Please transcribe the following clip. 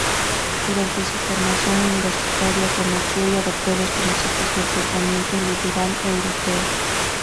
Durante su formación universitaria conoció y adoptó los principios del pensamiento liberal europeo.